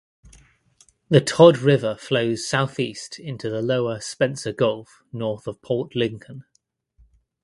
The Tod River flows southeast into the lower Spencer Gulf north of Port Lincoln.